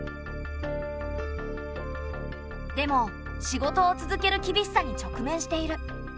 でも仕事を続ける厳しさに直面している。